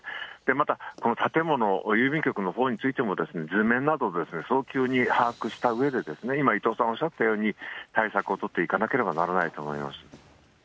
また、建物、郵便局のほうについても図面など早急に把握したうえで、今、伊藤さんおっしゃったように対策を取っていかなければならないと思います。